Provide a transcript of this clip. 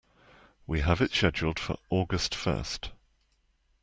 We have it scheduled for August first.